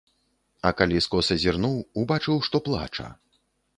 А калі скоса зірнуў, убачыў, што плача.